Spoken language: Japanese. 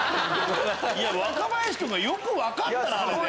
若林君もよく分かったなあれで。